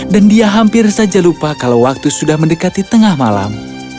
dan dia hampir saja lupa kalau waktu sudah mendekati tengah malam